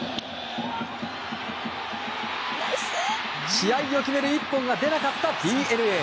試合を決める一本が出なかったＤｅＮＡ。